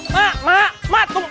mak mak mak